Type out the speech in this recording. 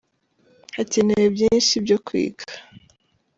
hakenewe byinshi byo kwiga.